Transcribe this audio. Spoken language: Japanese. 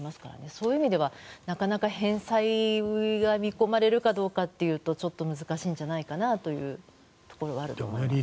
そういう意味ではなかなか返済が見込まれるかどうかというと難しいんじゃないかなというところがあると思います。